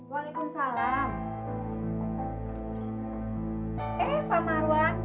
masuk masuk ayu iwan silahkan